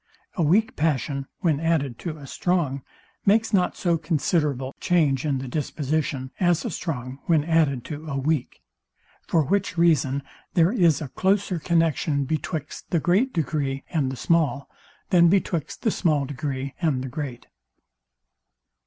A weak passion, when added to a strong, makes not so considerable a change in the disposition, as a strong when added to a weak; for which reason there is a closer connexion betwixt the great degree and the small, than betwixt the small degree and the great.